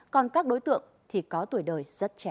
còn các đối tượng thì có tuổi đời rất trẻ